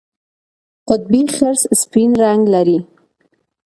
قطبي خرس سپین رنګ لري